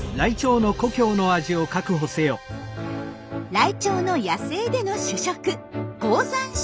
ライチョウの野生での主食高山植物。